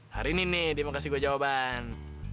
hari ini nih dia mau kasih gue jawaban